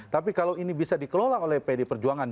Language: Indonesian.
tapi kalau ini bisa dikelola oleh pd perjuangan